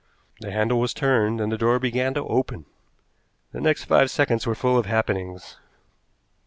The handle was turned, and the door began to open. The next five seconds were full of happenings.